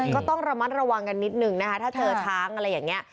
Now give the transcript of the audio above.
ก็ต้องระมัดระวังกันนิดนึงนะคะถ้าเจอช้างอะไรอย่างนี้